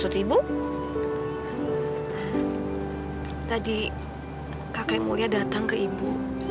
tadi kakek mulia datang ke ibu